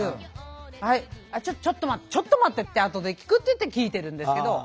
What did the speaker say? はいちょっと待ってちょっと待って後で聞くって言って聞いてるんですけど。